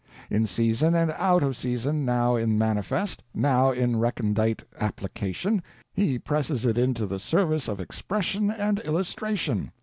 In season and out of season now in manifest, now in recondite application, he presses it into the service of expression and illustration.